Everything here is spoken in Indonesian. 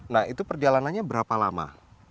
nah itu perjalanannya berapa lama